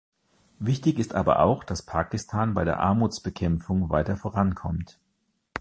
Wichtig ist aber auch, dass Pakistan bei der Armutsbekämpfung weiter vorankommt.